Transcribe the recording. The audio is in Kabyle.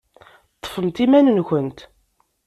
Ṭṭfemt iman-nkent.